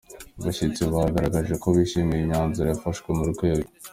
bashyitsi baragaragaje ko bishimiye imyamzuro yafashwe mu rwego